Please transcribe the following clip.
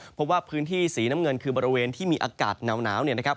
เพราะว่าพื้นที่สีน้ำเงินคือบริเวณที่มีอากาศหนาวเนี่ยนะครับ